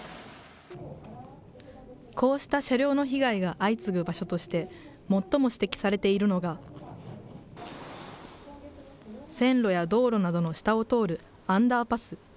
こうした車両の被害が相次ぐ場所として、最も指摘されているのが、線路や道路などの下を通るアンダーパス。